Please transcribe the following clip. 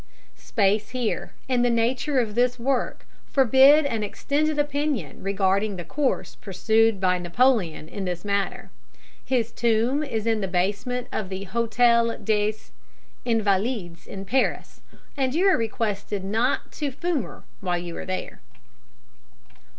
Space here, and the nature of this work, forbid an extended opinion regarding the course pursued by Napoleon in this matter. His tomb is in the basement of the Hôtel des Invalides in Paris, and you are requested not to fumer while you are there.